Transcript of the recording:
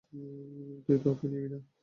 তুইও তো ওকে নিবি না।